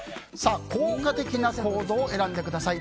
効果的な行動を選んでください。